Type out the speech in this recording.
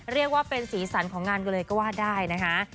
เรียกว่าเป็นศีลสรรค์ของงานก็เลยว่าได้นะฮะ